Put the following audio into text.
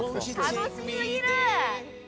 ◆楽しすぎる！